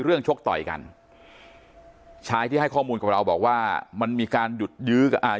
เรื่องชกต่อยกันชายที่ให้ข้อมูลกับเราบอกว่ามันมีการยืด